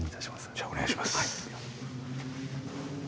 じゃあお願いします。